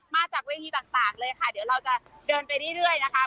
มาจากเวทีต่างเลยค่ะเดี๋ยวเราจะเดินไปเรื่อยนะคะ